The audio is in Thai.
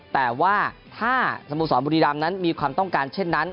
แต่ว่าถ้าสโมสรบุรีรำนั้นมีความต้องการเช่นนั้น